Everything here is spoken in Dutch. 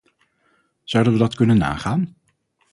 Zouden we dat kunnen nagaan?